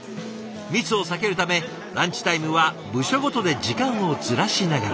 密を避けるためランチタイムは部署ごとで時間をずらしながら。